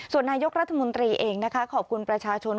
ส่วนนายกรัฐมนตรีเองนะคะขอบคุณประชาชน